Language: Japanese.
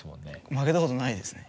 負けたことないですね。